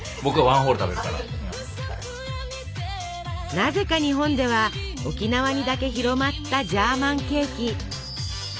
なぜか日本では沖縄にだけ広まったジャーマンケーキ。